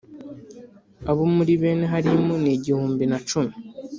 Abo muri bene Harimu ni igihumbi na cumi